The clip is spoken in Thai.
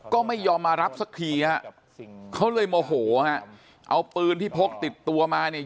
ก็ไม่ยอมมารับสักทีฮะเขาเลยโมโหฮะเอาปืนที่พกติดตัวมาเนี่ย